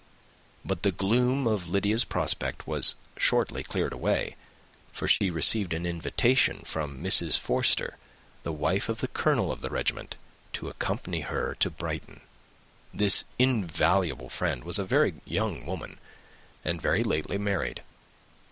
But the gloom of Lydia's prospect was shortly cleared away; for she received an invitation from Mrs. Forster, the wife of the colonel of the regiment, to accompany her to Brighton. This invaluable friend was a very young woman, and very lately married.